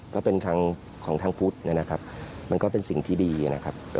ก็เป็นทางของทางพุทธนะครับมันก็เป็นสิ่งที่ดีนะครับ